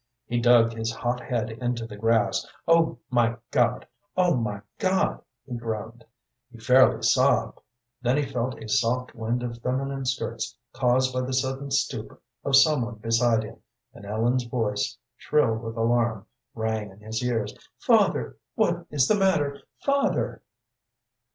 He dug his hot head into the grass. "Oh, my God! oh, my God!" he groaned. He fairly sobbed. Then he felt a soft wind of feminine skirts caused by the sudden stoop of some one beside him, and Ellen's voice, shrill with alarm, rang in his ears. "Father, what is the matter? Father!"